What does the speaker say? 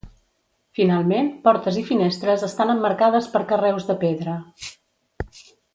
Finalment, portes i finestres estan emmarcades per carreus de pedra.